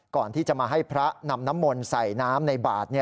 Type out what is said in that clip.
ก่อนที่จะมาให้พระนำน้ำมนต์ใส่น้ำในบาท